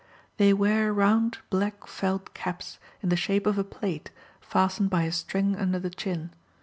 They wear round black felt caps, in the shape of a plate, fastened by a string under the chin.